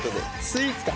スイーツか。